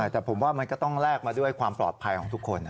แต่ผมว่ามันก็ต้องแลกมาด้วยความปลอดภัยของทุกคน